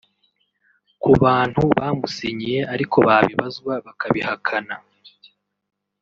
Ku bantu bamusinyiye ariko babibazwa bakabihakana